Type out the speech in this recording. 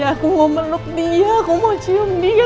aku mau meluk dia aku mau cium dia